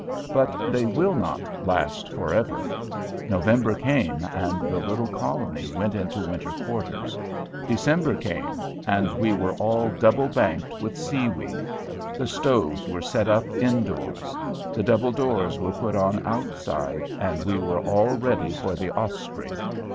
But they will not last forever. November came, and the little colony went into winter quarters. December came. And we were all double banked with sea weed. The stoves were set up in doors. The double doors were put on outside, and we were all ready for the "Osprey."